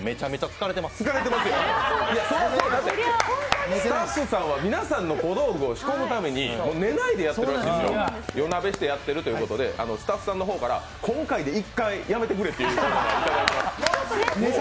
疲れてますよ、だってスタッフさんは皆さんの小道具を仕込むために寝ないでやってるらしいですよ、夜なべしてやってるってことでスタッフさんの方から今回で１回やめてくれというのをいただいてます。